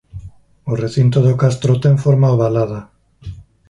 O recinto do castro ten forma ovalada.